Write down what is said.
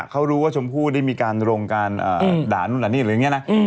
เขารู้ว่าชมพู่ได้มีการลงการด่านู่นด่านี่หรืออย่างนี้นะ